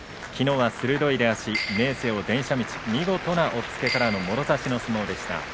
きのうは鋭い出足、電車道見事な押っつけからのもろ差しの相撲でした。